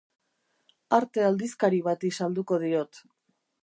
Arte aldizkari bati salduko diot.